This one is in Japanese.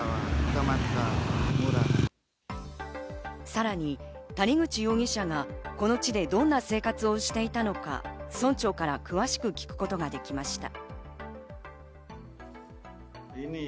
さらに谷口容疑者が、この地でどんな生活をしていたのか、村長から詳しく聞くことができました。